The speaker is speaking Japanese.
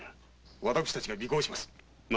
私たちが尾行します。